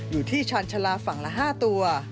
อยู่ที่ชาญชาลาฝั่งละ๕ตัว